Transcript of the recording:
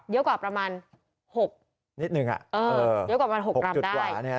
เยอะกว่าประมาณ๖กรัมได้